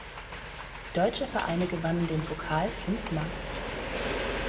Deutsche Vereine gewannen den Pokal fünfmal.